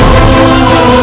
baik ayahanda prabu